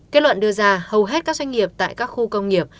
kết luận đưa ra hầu hết các doanh nghiệp tại các khu công nghiệp